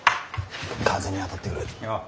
風に当たってくる。